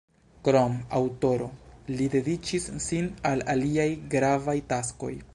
Krom aŭtoro, li dediĉis sin al aliaj gravaj taskoj.